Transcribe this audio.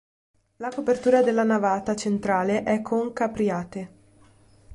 La copertura della navata centrale è con capriate.